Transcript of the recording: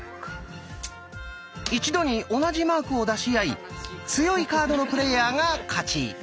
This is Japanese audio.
一度に同じマークを出し合い強いカードのプレーヤーが勝ち。